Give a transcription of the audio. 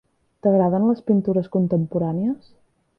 T'agraden les pintures contemporànies?